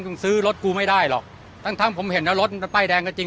มึงซื้อรถกูไม่ได้หรอกตั้งผมเห็นแล้วรถมันป้ายแดงก็จริง